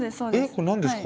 これ何ですか？